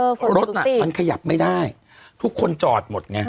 เพราะรถน่ะมันขยับไม่ได้ทุกคนจอดหมดไง